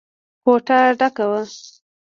کوټه ډکه وه.